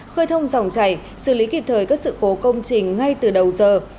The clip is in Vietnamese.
khơi thông dòng chảy xử lý kịp thời các sự cố công trình ngay từ đầu giờ